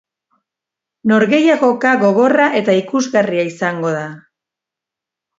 Norgehiagoka gogorra eta ikusgarria izango da.